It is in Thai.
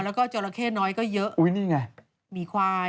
แล้วก็จราเข้น้อยก็เยอะอุ้ยนี่ไงหมีควาย